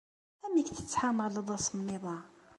Amek tettḥamaleḍ asemmiḍ-a?